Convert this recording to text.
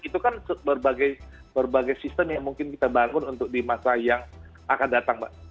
itu kan berbagai sistem yang mungkin kita bangun untuk di masa yang akan datang mbak